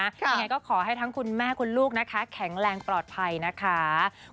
ยังไงก็ขอให้ทั้งคุณแม่คุณลูกนะคะแข็งแรงปลอดภัยนะคะ